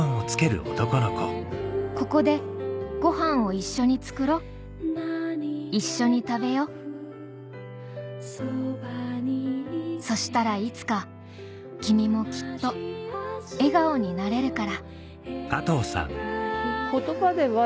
「ここでごはんを一緒に作ろ」「一緒に食べよ」「そしたらいつか君もきっと笑顔になれるから」